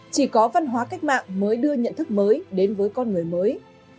chỉ có văn hóa cách mạng mới đưa nhận thức mới đến với con người mới